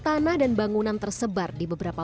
tanah dan bangunan tersebar di beberapa